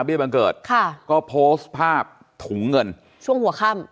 บังเกิดค่ะก็โพสต์ภาพถุงเงินช่วงหัวค่ำ